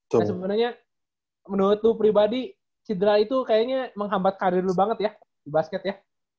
ya sebenarnya menurut lu pribadi sidra itu kayaknya menghambat karir lu banget ya di basket ya